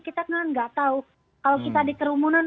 kita kan nggak tahu kalau kita dikerumunan